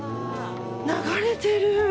流れてる！